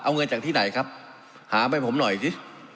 เอาเงินจากที่ไหนครับหาไปผมหน่อยสิ